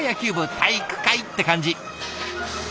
体育会って感じ。